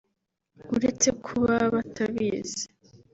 uretse ko baba batabizi